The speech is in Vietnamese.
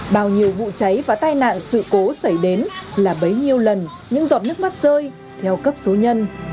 bao nhiêu vụ cháy và tai nạn sự cố xảy đến là bấy nhiêu lần những giọt nước mắt rơi theo cấp số nhân